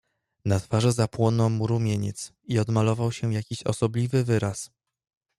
"Na twarzy zapłonął mu rumieniec i odmalował się jakiś osobliwy wyraz."